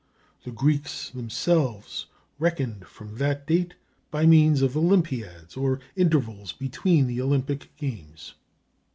The Greeks themselves reckoned from that date by means of olympiads or intervals between the Olympic games.